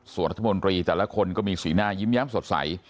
ส่วนรัฐมนตรีแต่ละคนก็มีสีหน้ายิ้มแย้มสดใส